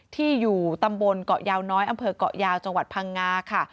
ที่อยู่ตำบลเกาะยาวน้อยอำเภอกเกาะยาวจังหวัดพังงาค่ะ